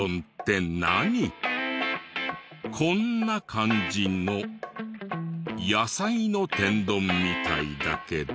こんな感じの野菜の天丼みたいだけど。